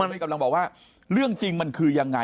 อาจารย์บอกว่าเรื่องจริงมันคือยังไง